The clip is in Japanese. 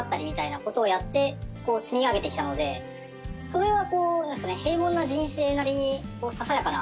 それは。